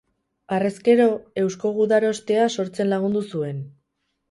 Harrezkero, Eusko Gudarostea sortzen lagundu zuen.